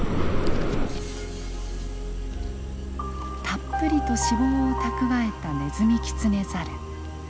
たっぷりと脂肪を蓄えたネズミキツネザル。